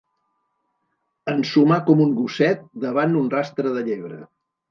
Ensumar com un gosset davant un rastre de llebre.